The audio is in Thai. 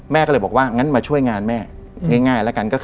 แม่ก็เลยบอกว่างั้นมาช่วยงานแม่ง่ายแล้วกัน